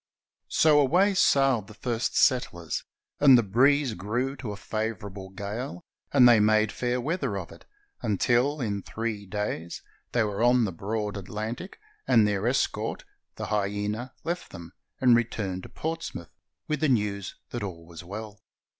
So away sailed the first settlers, and the breeze grew to a favorable gale, and they made fair weather of it, until in three days they were on the broad Atlantic, and their escort, the Hyena, left them, and returned to Portsmouth with the news that all was well.